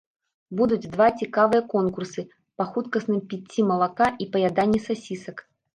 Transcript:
Будуць два цікавыя конкурсы па хуткасным піцці малака і паяданні сасісак.